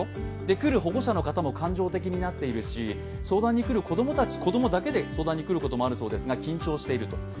来る保護者の方も感情的になっているし、相談に来る子供たち、子供だけで相談に来ることもあるそうですが緊張していると。